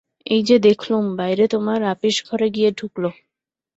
এই যে দেখলুম, বাইরে তোমার আপিসঘরে গিয়ে ঢুকল।